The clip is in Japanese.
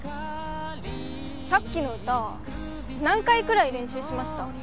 さっきの歌何回くらい練習しました？